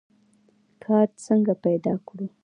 کار څنګه پیدا کړو؟